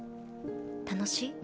楽しい？